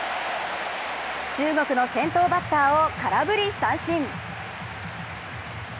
中国の先頭バッターを空振り三振。